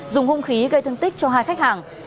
dùng hung khí gây thương tích cho hai khách hàng